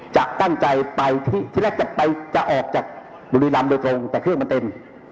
จะตั้งใจไปที่แรกจะไปจะออกจากบุรีรำโดยตรงแต่เครื่องมันเต็ม